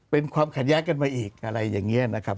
เป็นความขัดแย้งกันมาอีกอะไรอย่างนี้นะครับ